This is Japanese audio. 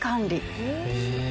へえ。